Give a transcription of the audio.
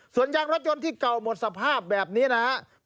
ส่วนยางรถยนต์ที่เก่าหมดสภาพแบบนี้นะครับ